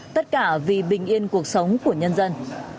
tất cả vì bình yên cuộc sống của nhân dân